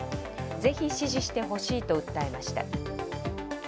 「ぜひ支持してほしい」と訴えました。